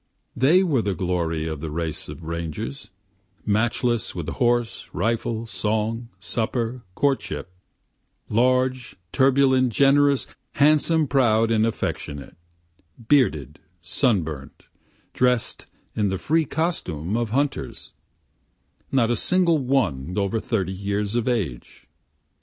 They were the glory of the race of rangers, Matchless with horse, rifle, song, supper, courtship, Large, turbulent, generous, handsome, proud, and affectionate, Bearded, sunburnt, drest in the free costume of hunters, Not a single one over thirty years of age.